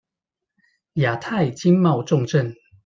亞太經貿重鎮